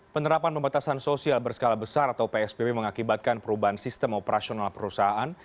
penerapan pembatasan sosial berskala besar atau psbb mengakibatkan perubahan sistem operasional perusahaan